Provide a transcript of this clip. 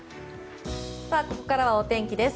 ここからはお天気です。